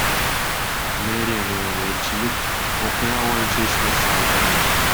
Мэрия менен элчилик окуя боюнча эч нерсе айта элек.